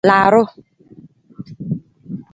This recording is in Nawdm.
Laarung.